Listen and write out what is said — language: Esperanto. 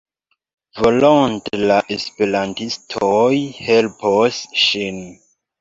Volonte la esperantistoj helpos ŝin.